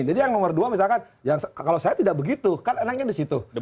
jadi yang nomor dua misalkan yang kalau saya tidak begitu kan enaknya di situ